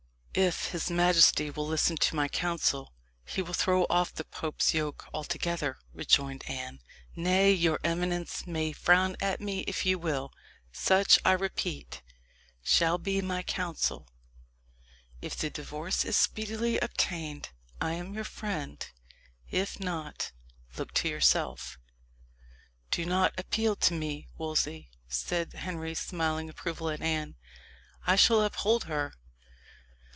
"If his majesty will listen to my counsel, he will throw off the pope's yoke altogether," rejoined Anne. "Nay, your eminence may frown at me if you will. Such, I repeat, shall be my counsel. If the divorce is speedily obtained, I am your friend: if not look to yourself." "Do not appeal to me, Wolsey," said Henry, smiling approval at Anne; "I shall uphold her."